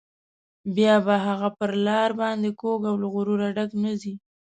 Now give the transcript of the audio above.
بیا به هغه پر لار باندې کوږ او له غروره ډک نه ځي.